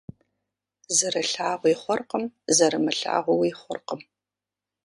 Зэрылъагъуи хъуркъым, зэрымылъагъууи хъуркъым.